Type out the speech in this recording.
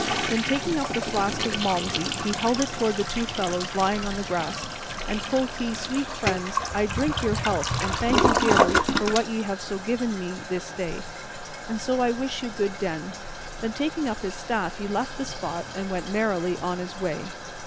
Then taking up the flask of Malmsey, he held it toward the two fellows lying on the grass, and quoth he, "Sweet friends, I drink your health and thank you dearly for what ye have so kindly given me this day, and so I wish you good den." Then, taking up his staff, he left the spot and went merrily on his way.